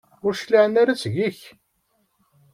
Ur d-cliɛen ara seg-k?